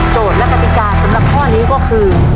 โจทย์และกติกาสำหรับพ่อนี้ก็คือ